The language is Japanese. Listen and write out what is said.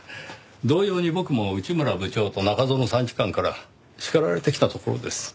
同様に僕も内村部長と中園参事官から叱られてきたところです。